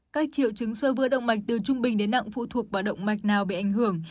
các triệu chứng sơ vữa động mạch từ trung bình đến nặng phụ thuộc vào động mạch nào bị ảnh hưởng